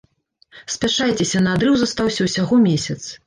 Спяшайцеся, на адрыў застаўся ўсяго месяц!